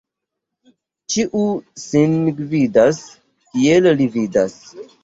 Ĉiu sin gvidas, kiel li vidas.